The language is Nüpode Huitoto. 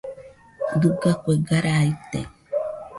Dɨga kuega raa ite.